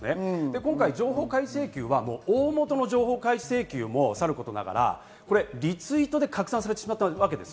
情報開示請求は大元の情報開示請求もさることながら、リツイートで拡散されてしまいました。